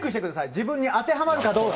自分に当てはまるかどうか。